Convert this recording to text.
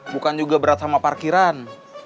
bukan juga berat sama parkiran